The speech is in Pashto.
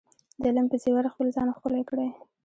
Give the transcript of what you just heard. د علم په زیور خپل ځان ښکلی کړئ.